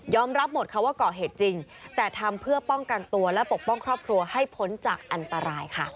รับหมดค่ะว่าก่อเหตุจริงแต่ทำเพื่อป้องกันตัวและปกป้องครอบครัวให้พ้นจากอันตรายค่ะ